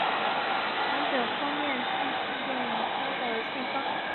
两者封面俱似电影中的信封。